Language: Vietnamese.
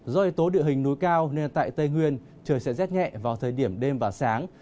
do yếu tố địa hình núi cao nên tại tây nguyên trời sẽ rét nhẹ vào thời điểm đêm và sáng